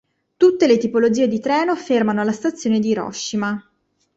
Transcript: Tutte le tipologie di treno fermano alla stazione di Hiroshima.